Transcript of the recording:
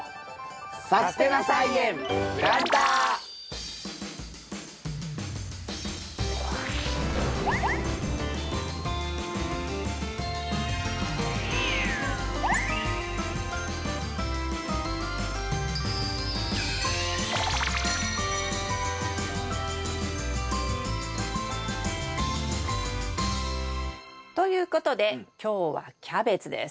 「さすてな菜園プランター」。ということで今日はキャベツです。